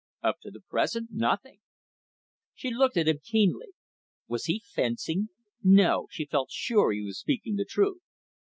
"Up to the present nothing." She looked at him keenly. Was he fencing? No, she felt sure he was speaking the truth.